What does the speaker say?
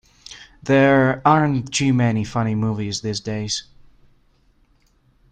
There aren't too many funny movies these days.